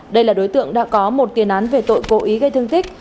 đây là đối tượng đã có một tiền án về tội cố ý gây thương tích